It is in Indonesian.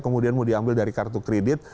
kemudian mau diambil dari kartu kredit